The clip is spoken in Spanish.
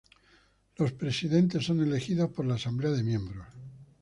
Los presidentes son elegidos por la asamblea de miembros.